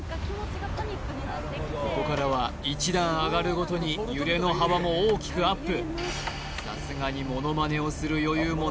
ここからは１段上がるごとに揺れの幅も大きくアップ